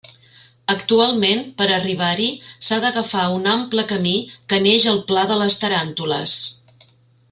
Actualment, per arribar-hi s’ha d’agafar un ample camí que neix al Pla de les Taràntules.